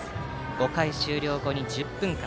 ５回終了後に１０分間。